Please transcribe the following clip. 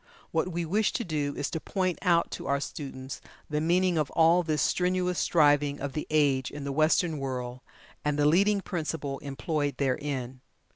What we wish to do is to point out to our students the meaning of all this strenuous striving of the age, in the Western world, and the leading principle employed therein.